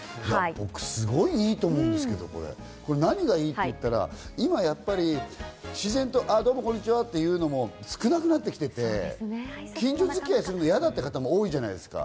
すごくいいと思うんですけど、何がいいって言ったら、今はやっぱり自然と、「こんにちは」というのも少なくなってきていて、近所付き合いするのが嫌だった方も多いじゃないですか。